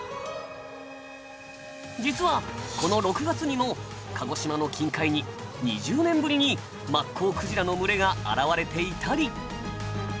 実はこの６月にも鹿児島の近海に２０年ぶりにマッコウクジラの群れが現れていたり。